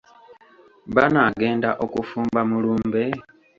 Baanagenda okufumba mu lumbe?